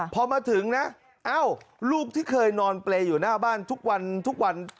พอมาถึงนะเอ้าลูกที่เคยนอนเปรย์อยู่หน้าบ้านทุกวันทุกวัน